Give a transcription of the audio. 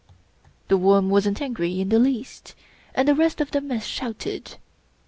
The Worm wasn't angry in the least, and the rest of the Mess shouted.